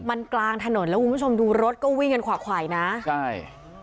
มันกลางถนนแล้วคุณผู้ชมดูรถก็วิ่งกันขวาขวายนะใช่